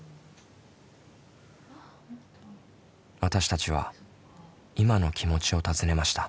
私たちは今の気持ちを尋ねました。